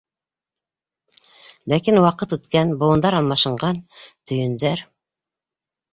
Ләкин ваҡыт үткән, быуындар алмашынған, төйөндәр...